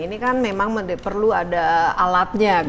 ini kan memang perlu ada alatnya